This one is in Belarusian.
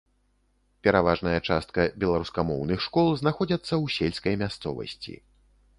Пераважная частка беларускамоўных школ знаходзіцца ў сельскай мясцовасці.